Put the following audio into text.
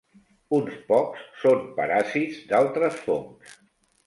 Uns pocs són paràsits d'altres fongs.